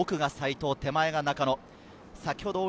奥が齋藤、手前が中野。